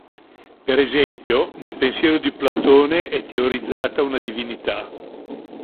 Per esempio, nel pensiero di Platone è teorizzata una divinità.